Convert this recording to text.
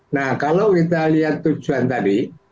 nah kalau kita lihat tujuan tadi